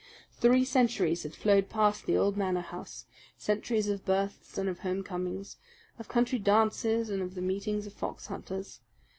Three centuries had flowed past the old Manor House, centuries of births and of homecomings, of country dances and of the meetings of fox hunters.